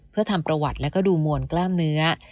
เพื่อทำประวัติและก็ดูมวลกล้ามเนื้อ